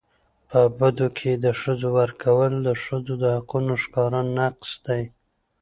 په بدو کي د ښځو ورکول د ښځو د حقونو ښکاره نقض دی.